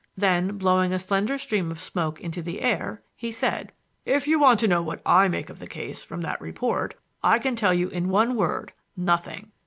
Then, blowing a slender stream of smoke into the air, he said: "If you want to know what I make of the case from that report, I can tell you in one word nothing.